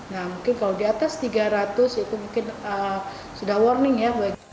nah mungkin kalau di atas tiga ratus itu mungkin sudah warning ya